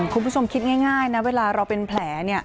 คุณผู้ชมคิดง่ายนะเวลาเราเป็นแผล